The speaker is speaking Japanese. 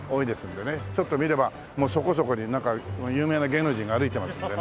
ちょっと見ればそこそこになんか有名な芸能人が歩いてますのでね。